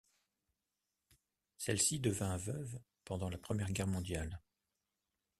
Celle-ci devint veuve pendant la Première guerre mondiale.